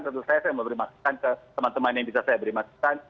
tentu saya ingin memberi maksikan ke teman teman yang bisa saya beri maksikan